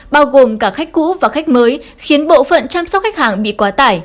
bao gồm cả khách cũ và khách mới khiến bộ phận chăm sóc khách hàng bị quá tải